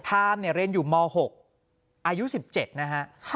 ทามเรียนอยู่ม๖อายุ๑๗นะฮะ